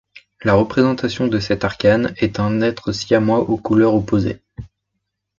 La représentation de cet arcane est un être siamois aux couleurs opposées.